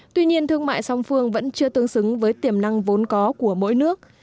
tuy nhiên thương mại song phương vẫn chưa tương xứng với tiềm năng vốn có của mỗi nước